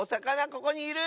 ここにいる！